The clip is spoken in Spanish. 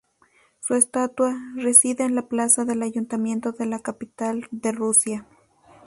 Su estatua reside en la plaza del Ayuntamiento en la capital de Rusia.